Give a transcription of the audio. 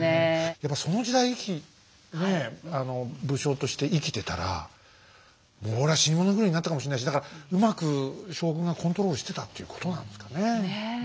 やっぱその時代武将として生きてたらもう俺は死に物狂いになったかもしれないしだからうまく将軍がコントロールしてたっていうことなんですかね。